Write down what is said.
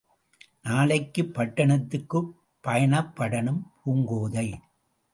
நாளைக்குப் பட்டணத்துக்குப் பயணப்படணும்...! Poongothai!